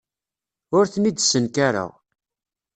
Ur ten-id-ssenkareɣ.